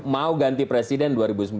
mau ganti presiden dua ribu sembilan belas